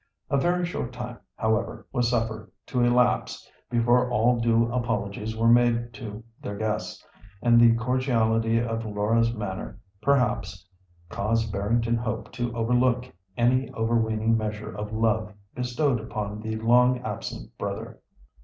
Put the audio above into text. A very short time, however, was suffered to elapse before all due apologies were made to their guests, and the cordiality of Laura's manner perhaps caused Barrington Hope to overlook any overweening measure of love bestowed upon the long absent brother.